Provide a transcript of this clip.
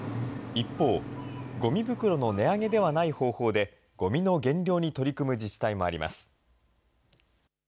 一方、ごみ袋の値上げではない方法で、ごみの減量に取り組む自治体もあります。